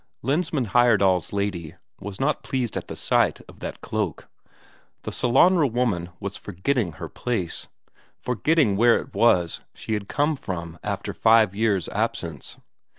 Lensmand Heyerdahl's lady was not pleased at the sight of that cloak; the Sellanraa woman was forgetting her place forgetting where it was she had come from after five years' absence.